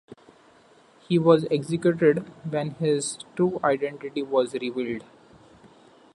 He was executed when his true identity was revealed.